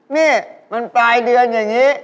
นี่มันปลายเดือนอย่างนี้